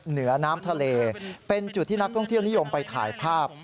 เหนือน้ำทะเลเป็นจุดที่นักท่องเที่ยวนิยมไปถ่ายภาพ